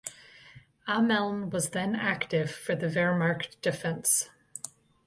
Ameln was then active for the Wehrmacht defense.